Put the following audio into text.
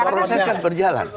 proses kan berjalan